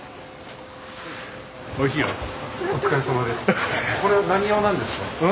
お疲れさまです。